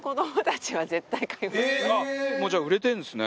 もうじゃあ売れてるんですね。